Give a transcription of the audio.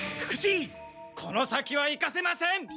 この先は行かせません。